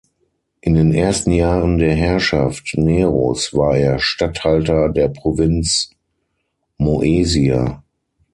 In den ersten Jahren der Herrschaft Neros war er Statthalter der Provinz Moesia.